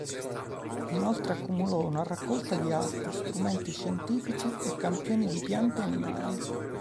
Inoltre accumulò una raccolta di arte, strumenti scientifici e campioni di piante e animali.